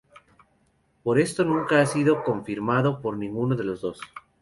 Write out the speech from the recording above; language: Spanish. Pero esto nunca ha sido confirmado por ninguno de los dos.